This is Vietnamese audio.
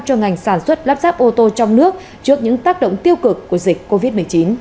cho ngành sản xuất lắp ráp ô tô trong nước trước những tác động tiêu cực của dịch covid một mươi chín